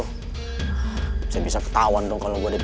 bisa bisa ketahuan dong kalau gue ada di pihak lo